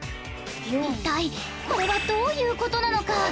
一体これはどういうことなのか？